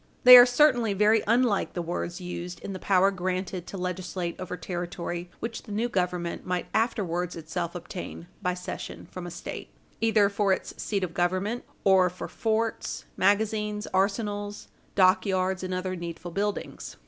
They are certainly very unlike the words used in the power granted to legislate over territory which the new Government might afterwards itself obtain by cession from a State, either for its seat of Government or for forts, magazines, arsenals, dockyards, and other needful buildings.